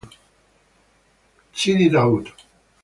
Sidi Daoud